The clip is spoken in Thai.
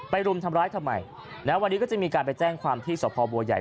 รุมทำร้ายทำไมนะวันนี้ก็จะมีการไปแจ้งความที่สภบัวใหญ่